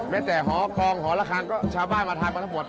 ไม่แต่หอกองหอละครังก็ชาวบ้านมาทามาทั้งหมด